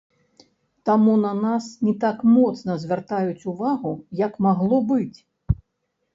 Таму на нас не так моцна звяртаюць увагу, як магло быць.